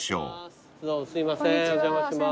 すいませんお邪魔します。